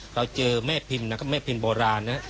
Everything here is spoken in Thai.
เราเจอแม่พิมแม่พิมโบราณ